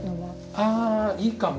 あいいかも。